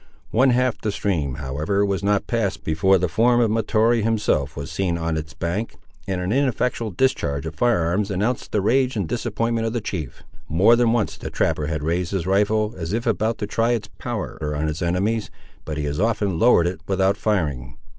One half the stream, however, was not passed, before the form of Mahtoree himself was seen on its bank, and an ineffectual discharge of firearms announced the rage and disappointment of the chief. More than once the trapper had raised his rifle, as if about to try its power on his enemies, but he as often lowered it, without firing.